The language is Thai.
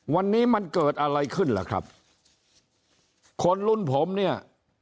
วันนี้มันเกิดอะไรขึ้นล่ะครับคนรุ่นผมเนี่ย